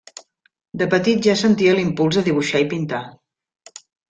De petit ja sentia l'impuls de dibuixar i pintar.